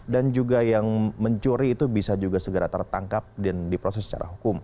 dan juga yang mencuri itu bisa juga segera tertangkap dan diproses secara hukum